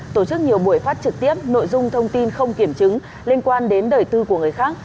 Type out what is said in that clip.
tổ chức nhiều buổi phát trực tiếp nội dung thông tin không kiểm chứng liên quan đến đời tư của người khác